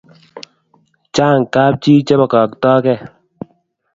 Chan kapchi che pakaktakee